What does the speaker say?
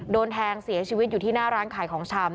โดนแทงเสียชีวิตอยู่ที่หน้าร้านขายของชำ